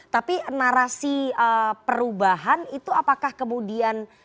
tapi narasi perubahan itu apakah kemudian